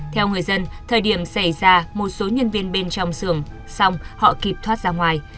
theo người dân thời điểm xảy ra một số nhân viên bên trong xưởng xong họ kịp thoát ra ngoài